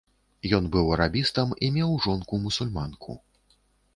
Ён быў арабістам і меў жонку-мусульманку.